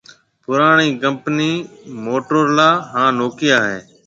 پُراڻِي ڪمپني موٽورولا ھان نوڪيا ھيََََ